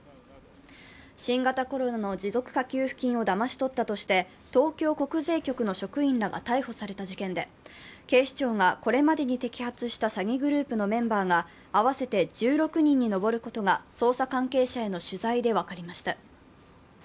新型コロナの持続化給付金をだまし取ったとして、東京国税局の職員らが逮捕された事件で、警視庁がこれまでに摘発した詐欺グループのメンバーが合わせて１６人に上ることが捜査関係者への取材で分かりました。